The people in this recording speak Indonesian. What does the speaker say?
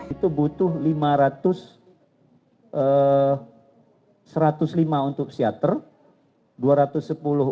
itu butuh lima ratus satu ratus lima untuk seater dua ratus sepuluh untuk